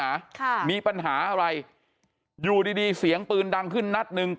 ค่ะมีปัญหาอะไรอยู่ดีดีเสียงปืนดังขึ้นนัดหนึ่ง